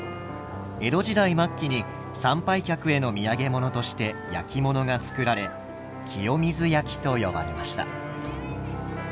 江戸時代末期に参拝客への土産物として焼き物が作られ清水焼と呼ばれました。